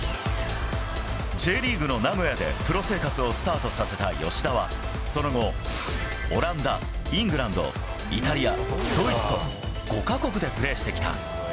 Ｊリーグの名古屋でプロ生活をスタートさせた吉田は、その後、オランダ、イングランド、イタリア、ドイツと５か国でプレーしてきた。